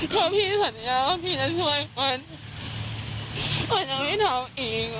เพราะพี่สัญญาว่าพี่จะช่วยมันมันจะไม่ทำอีก